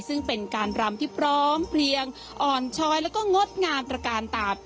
ซึ่งเป็นการรำที่พร้อมเพลียงอ่อนชอยแล้วก็งดงามตระการตาบ